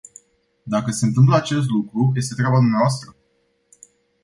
Dacă se întâmplă acest lucru, este treaba dvs.